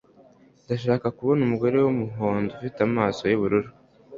Ndashaka kubona umugore wumuhondo ufite amaso yubururu